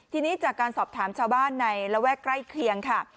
ทีนี้จากการสอบถามชาวบ้านในระแวกใกล้เคียงค่ะ